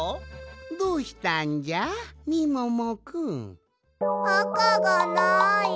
どうしたんじゃみももくん？あかがない。